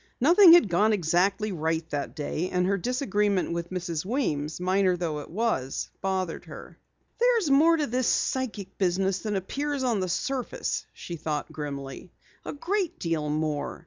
Nothing had gone exactly right that day, and her disagreement with Mrs. Weems, minor though it was, bothered her. "There's more to this psychic business than appears on the surface," she thought grimly. "A great deal more!